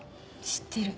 知ってる。